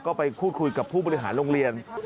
ก็ไปพูดคุยกับผู้บริหารโรงเรียน